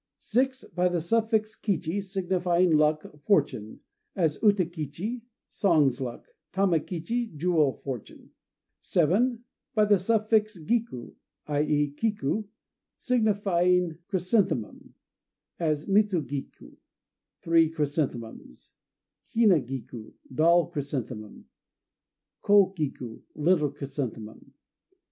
(6) By the suffix kichi, signifying "luck", "fortune"; as Uta kichi, "Song Luck"; Tama kichi, "Jewel Fortune". (7) By the suffix giku (i. e., kiku) signifying "chrysanthemum"; as Mitsu giku, "Three Chrysanthemums"; Hina giku, "Doll Chrysanthemum"; Ko giku, "Little Chrysanthemum".